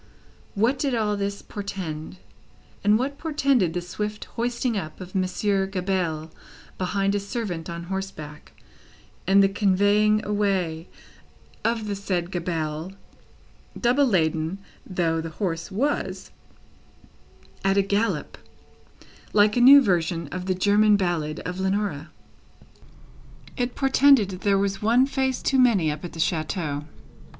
What did all this portend, and what portended the swift hoisting up of Monsieur Gabelle behind a servant on horseback, and the conveying away of the said Gabelle (double laden though the horse was), at a gallop, like a new version of the German ballad of Leonora? It portended that there was one stone face too many, up at the chateau.